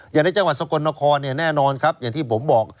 อย่างในจังหวัดสกลนครเนี่ยแน่นอนครับอย่างที่ผมบอก